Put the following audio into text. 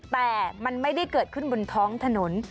แต่มันไม่ได้เกิดขึ้นบนท้องถนน